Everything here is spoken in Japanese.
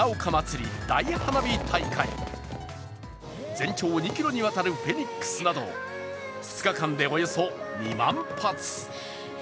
全長２ｋｍにわたるフェニックスなど２日間でおよそ２万発。